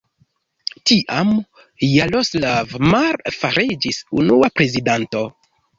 Tiam, Jaroslav Mar fariĝis unua prezidanto.